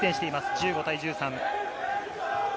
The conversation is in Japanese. １５対１３。